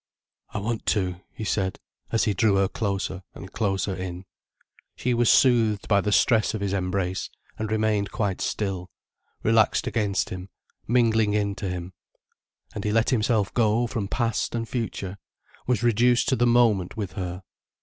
"I want to," he said as he drew her closer and closer in. She was soothed by the stress of his embrace, and remained quite still, relaxed against him, mingling in to him. And he let himself go from past and future, was reduced to the moment with her.